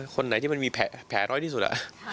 คนไหนที่มันมีแผลน้อยที่สุด